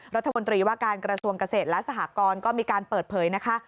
รัฐมนตรีว่าการกระทรวงเกษตรและสหกรก็มีการเปิดเผยนะคะ